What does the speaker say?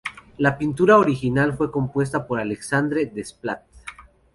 La partitura original fue compuesta por Alexandre Desplat.